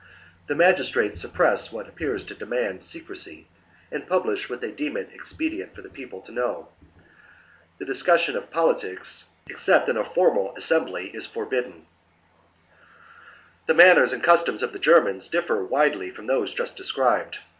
The magistrates suppress what appears to demand secrecy, and publish v^^hat they deem it expedient for the people to know. The discussion of poli / tics, except in a formal assembly, is forbidden. l/ 2 1. The manners and customs of the Germans differ widely from those just described.